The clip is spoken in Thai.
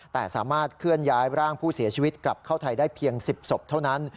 แต่สามารถเคลื่อนย้ายร่างผู้เสียชีวิตกลับเข้าไทยได้เพียง๑๐ศพเท่านั้น